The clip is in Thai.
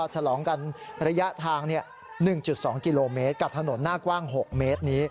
ฉลองกันระยะทาง๑๒กิโลเมตรกับถนนหน้ากว้าง๖เมตรนี้